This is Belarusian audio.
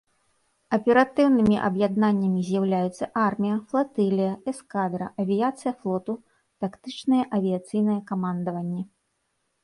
Аператыўнымі аб'яднаннямі з'яўляюцца армія, флатылія, эскадра, авіяцыя флоту, тактычнае авіяцыйнае камандаванне.